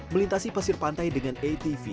melintasi pasir pantai dengan atv